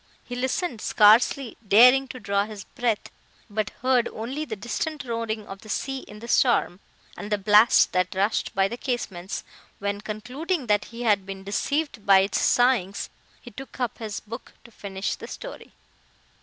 He listened, scarcely daring to draw his breath, but heard only the distant roaring of the sea in the storm, and the blast, that rushed by the casements; when, concluding, that he had been deceived by its sighings, he took up his book to finish the story.